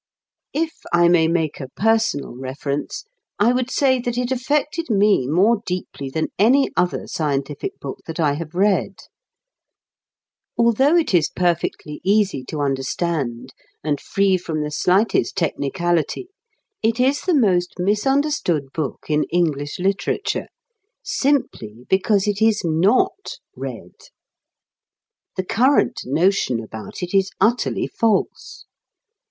If I may make a personal reference, I would say that it affected me more deeply than any other scientific book that I have read. Although it is perfectly easy to understand, and free from the slightest technicality, it is the most misunderstood book in English literature, simply because it is not read. The current notion about it is utterly false.